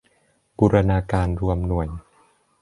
บูรณาการรวมหน่วย